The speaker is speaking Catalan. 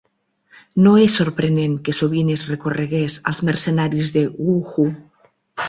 No és sorprenent que sovint es recorregués als mercenaris de Wu Hu.